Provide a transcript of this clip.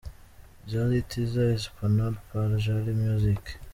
Jali - Teaser Espanola par Jali_music.